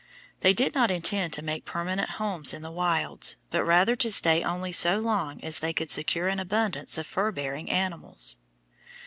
They did not intend to make permanent homes in the wilds, but rather to stay only so long as they could secure an abundance of fur bearing animals.